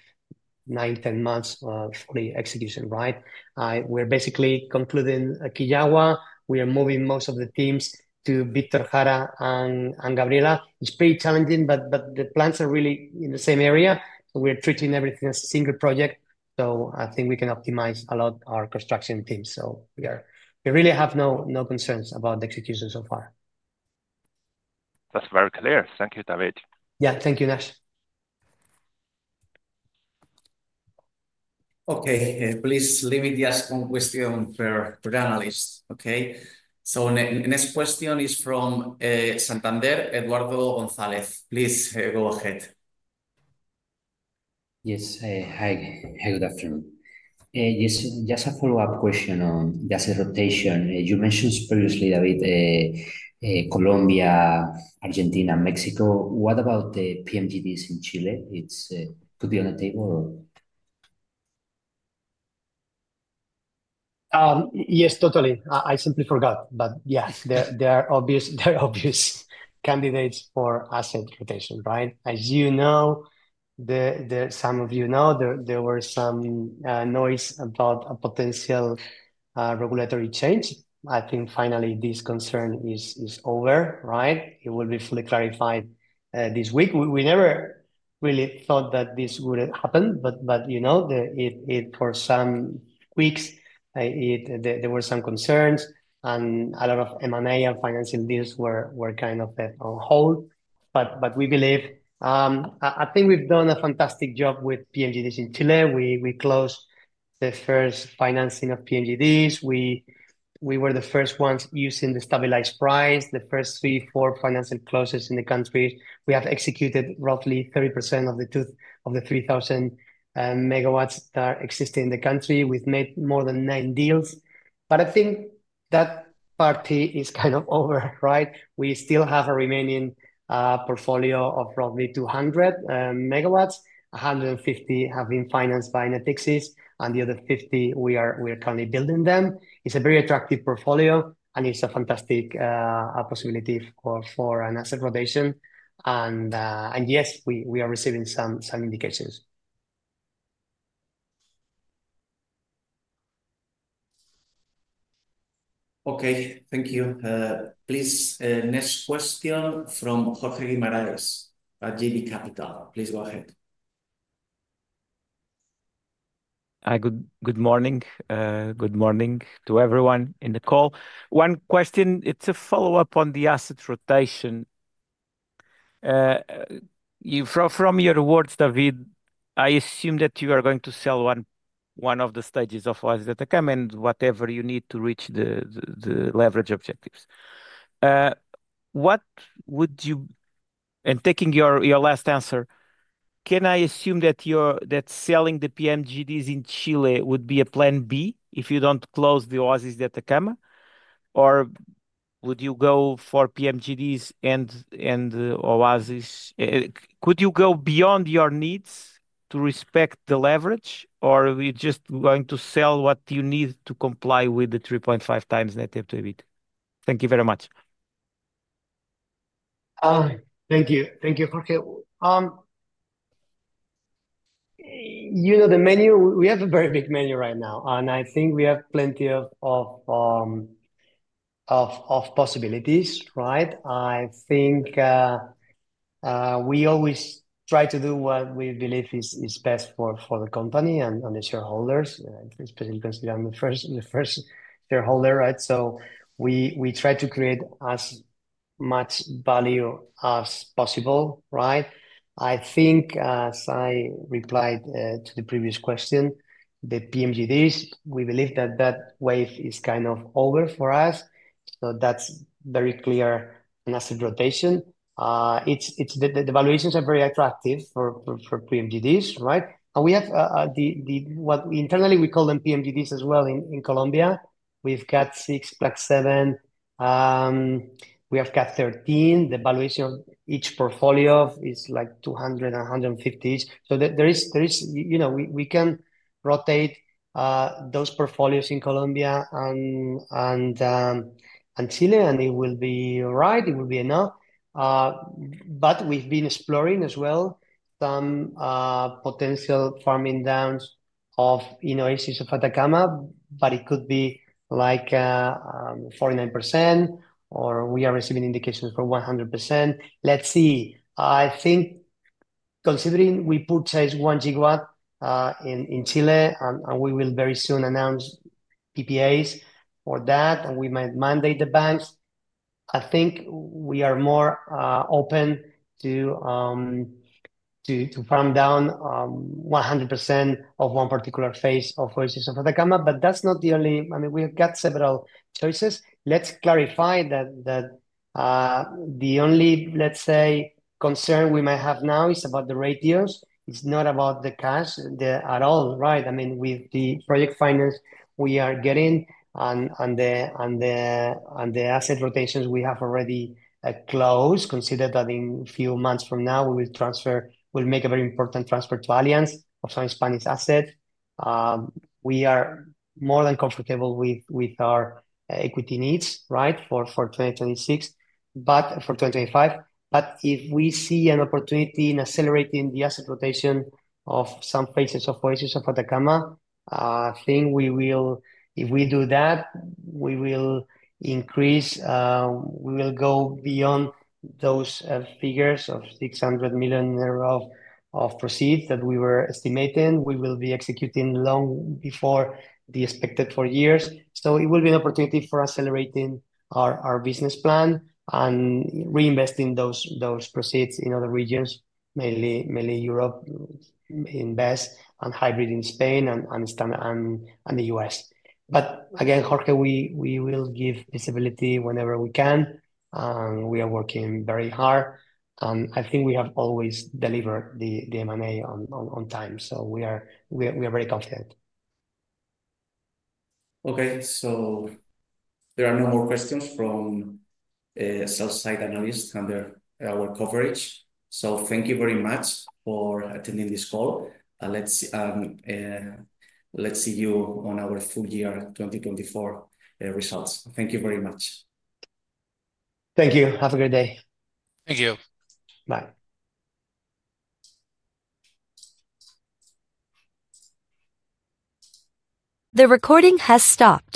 nine, 10 months for the execution, right? We're basically concluding Quillagua. We are moving most of the teams to Victor Jara and Gabriela. It's pretty challenging, but the plants are really in the same area. So we're treating everything as a single project. So I think we can optimize a lot our construction teams. So we really have no concerns about the execution so far. That's very clear. Thank you, David. Yeah, thank you, Nash. Okay. Please leave me just one question for the analyst, okay? So the next question is from Santander, Eduardo González. Please go ahead. Yes. Hi, good afternoon. Just a follow-up question on just the rotation. You mentioned previously, David, Colombia, Argentina, Mexico. What about the PMGDs in Chile? Could be on the table, or? Yes, totally. I simply forgot. But yeah, there are obvious candidates for asset rotation, right? As you know, some of you know, there were some noise about a potential regulatory change. I think finally this concern is over, right? It will be fully clarified this week. We never really thought that this would happen, but for some weeks, there were some concerns, and a lot of M&A and financing deals were kind of on hold. But we believe, I think we've done a fantastic job with PMGDs in Chile. We closed the first financing of PMGDs. We were the first ones using the stabilized price, the first three, four financial closes in the country. We have executed roughly 30% of the 3,000 MW that are existing in the country. We've made more than nine deals. But I think that party is kind of over, right? We still have a remaining portfolio of roughly 200 MW. 150 have been financed by Natixis, and the other 50, we are currently building them. It's a very attractive portfolio, and it's a fantastic possibility for an asset rotation. And yes, we are receiving some indications. Okay. Thank you. Please, next question from Jorge Guimarães at JB Capital. Please go ahead. Good morning. Good morning to everyone in the call. One question. It's a follow-up on the asset rotation. From your words, David, I assume that you are going to sell one of the stages of Oasis de Atacama and whatever you need to reach the leverage objectives. And taking your last answer, can I assume that selling the PMGDs in Chile would be a plan B if you don't close the Oasis de Atacama? Or would you go for PMGDs and Oasis? Could you go beyond your needs to respect the leverage, or are you just going to sell what you need to comply with the 3.5 times net debt to EBITDA? Thank you very much. Thank you. Thank you, Jorge. The menu, we have a very big menu right now, and I think we have plenty of possibilities, right? I think we always try to do what we believe is best for the company and the shareholders, especially considering the first shareholder, right? So we try to create as much value as possible, right? I think, as I replied to the previous question, the PMGDs, we believe that that wave is kind of over for us. So that's very clear an asset rotation. The valuations are very attractive for PMGDs, right? We have what internally we call them PMGDs as well in Colombia. We've got six, plus seven. We have got 13. The valuation of each portfolio is like 200 and 150. So there is, we can rotate those portfolios in Colombia and Chile, and it will be all right. It will be enough. But we've been exploring as well some potential farm-downs of Oasis de Atacama, but it could be like 49%, or we are receiving indications for 100%. Let's see. I think considering we purchased one GW in Chile, and we will very soon announce PPAs for that, and we might mandate the banks. I think we are more open to farm down 100% of one particular phase of Oasis de Atacama, but that's not the only, I mean, we have got several choices. Let's clarify that the only, let's say, concern we might have now is about the ratios. It's not about the cash at all, right? I mean, with the project finance we are getting and the asset rotations we have already closed, consider that in a few months from now, we will make a very important transfer to Allianz of some Spanish assets. We are more than comfortable with our equity needs, right, for 2025. But if we see an opportunity in accelerating the asset rotation of some phases of Oasis de Atacama, I think if we do that, we will increase, we will go beyond those figures of 600 million euro of proceeds that we were estimating. We will be executing long before the expected four years. So it will be an opportunity for accelerating our business plan and reinvesting those proceeds in other regions, mainly Europe, in BESS, and hybrid in Spain and the U.S. But again, Jorge, we will give visibility whenever we can. And we are working very hard. And I think we have always delivered the M&A on time. So we are very confident. Okay. So there are no more questions from sell-side analysts under our coverage. So thank you very much for attending this call. Let's see you on our full year 2024 results. Thank you very much. Thank you. Have a good day. Thank you. Bye. The recording has stopped.